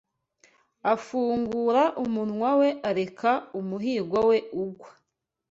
Afungura umunwa we areka umuhigo we ugwa